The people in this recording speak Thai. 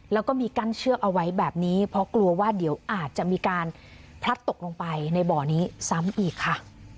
แล้วก็มีกั้นเชือกเอาไว้แบบนี้เพราะกลัวว่าเดี๋ยวอาจจะมีการพลัดตกลงไปในบ่อนี้ซ้ำอีกค่ะ